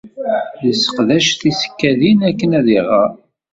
Yesseqdac tisekkadin akken ad iɣer.